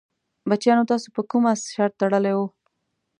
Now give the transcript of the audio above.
بچیانو تاسې پر کوم اس شرط تړلی وو؟